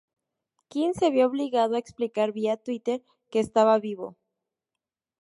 Quinn se vio obligado a explicar vía Twitter que estaba vivo.